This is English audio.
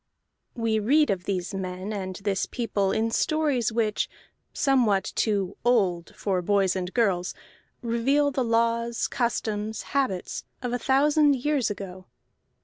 We read of these men and this people in stories which, somewhat too "old" for boys and girls, reveal the laws, customs, habits of a thousand years ago.